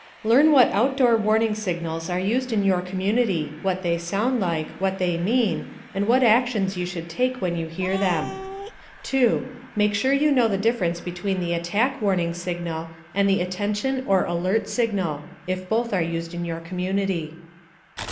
Learn what outdoor warning signals are used in your community, what they sound like, what they mean, and what actions you should take when you hear them. 2. Make sure you know the difference between the Attack Warning Signal and the Attention or Alert Signal (if both are used in your community).